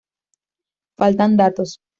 Faltan datos.